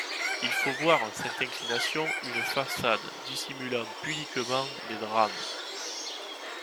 Il faut voir en cette inclination une façade dissimulant pudiquement des drames.